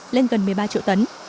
lên gần một mươi ba triệu tấn